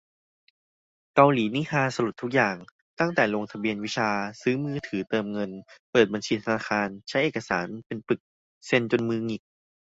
เกาหลีนี่ฮาสลดทุกอย่าง ตั้งแต่ลงทะเบียนวิชา ซื้อมือถือเติมเงิน เปิดบัญชีธนาคาร ใช้เอกสารเป็นปึก เซ็นจนมือหงิก